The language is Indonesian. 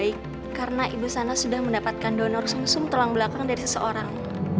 baik karena ibu sana sudah mendapatkan donor sum sum tulang belakang dari seseorang